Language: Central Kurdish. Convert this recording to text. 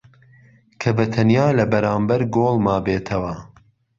که بهتهنیا له بهرامبهر گۆڵ مابێتهوه